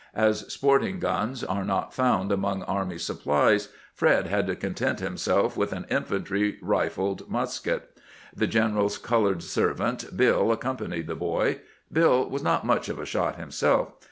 As sporting guns are not found among army supplies, Fred had to content himself with an infantry rified musket. The general's colored ser vant, BUI, accompanied the boy. Bill was not much of a shot himself.